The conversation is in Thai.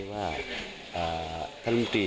ว่าท่านรมบี